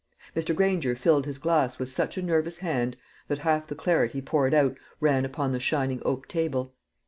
Mr. Granger filled his glass with such a nervous hand, that half the claret he poured out ran upon the shining oak table.